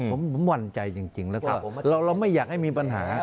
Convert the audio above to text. ผมหวั่นใจจริงแล้วก็เราไม่อยากให้มีปัญหา